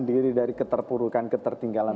diri dari keterpurukan ketertinggalan